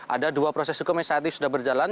ada dua proses sukomensatif sudah berjalan